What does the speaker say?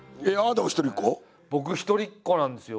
僕一人っ子なんですよ。